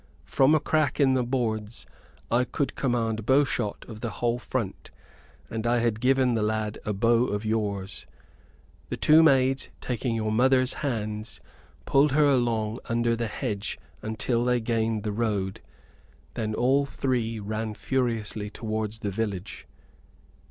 From a crack in the boards, I could command bowshot of the whole front; and I had given the lad a bow of yours. The two maids, taking your mother's hands, pulled her along under the hedge until they gained the road. Then all three ran furiously toward the village.